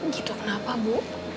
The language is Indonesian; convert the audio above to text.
gitu kenapa bu